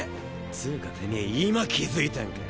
つかてめぇ今気付いたんか？